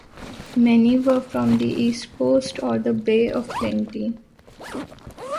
Many were from the East Coast or the Bay of Plenty.